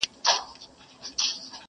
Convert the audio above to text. سیال له سیال له سره ملګری ښه ښکارېږي!